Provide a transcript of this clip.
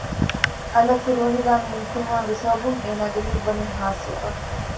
އަލަށް ކުރިމަތިލާ މި އިމްތިހާނުގެ ސަބަބުން އޭނާގެ ހިތްވަނީ ހާސްވެފަ